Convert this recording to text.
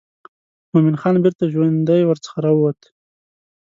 مومن خان بیرته ژوندی ورڅخه راووت.